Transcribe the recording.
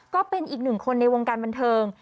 ก็เป็นอีกหนึ่งคนในวงการบันเทิง